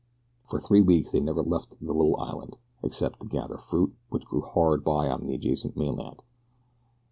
For three weeks they never left the little island except to gather fruit which grew hard by on the adjacent mainland.